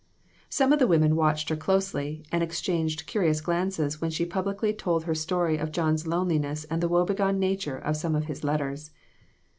Some of the women watched her closely, and exchanged curious glances when she publicly told her story of John's loneliness and the woe begone nature of some of his letters.